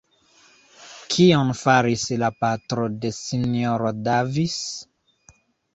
Kion faris la patro de S-ro Davis?